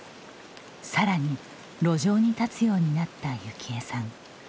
さらに路上に立つようになった幸恵さん。